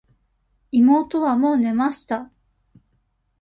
妹はもう寝ました。